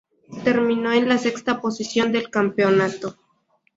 Terminó en la sexta posición del campeonato.